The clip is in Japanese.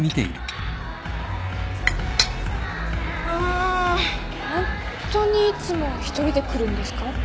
ホントにいつも１人で来るんですか？